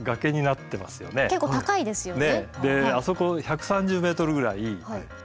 結構高いですよね。